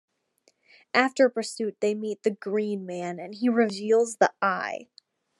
After a pursuit they meet the Green Man and he reveals the Eye.